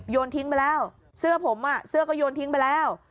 ทิ้งไปแล้วเสื้อผมเสื้อก็โยนทิ้งไปแล้ว